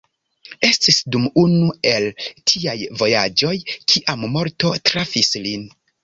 Estis dum unu el tiaj vojaĝoj kiam morto trafis lin.